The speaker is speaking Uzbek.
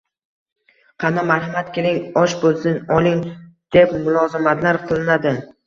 “Qani, marhamat, keling!”, “Osh bo‘lsin, oling!” deb mulozamatlar qilinadi.